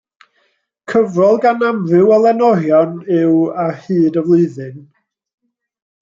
Cyfrol gan amryw o lenorion yw Ar hyd y Flwyddyn.